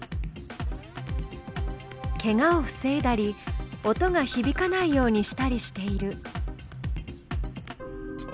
ケガを防いだり音がひびかないようにしたりしている。